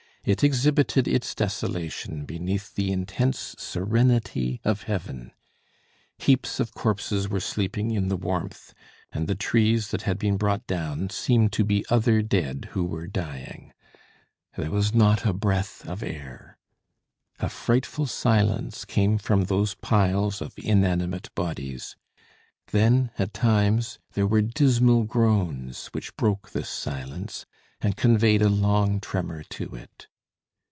It exhibited its desolation beneath the intense serenity of heaven; heaps of corpses were sleeping in the warmth, and the trees that had been brought down, seemed to be other dead who were dying. There was not a breath of air. A frightful silence came from those piles of inanimate bodies; then, at times, there were dismal groans which broke this silence, and conveyed a long tremor to it.